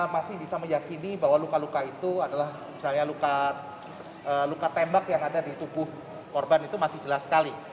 masih bisa meyakini bahwa luka luka itu adalah misalnya luka tembak yang ada di tubuh korban itu masih jelas sekali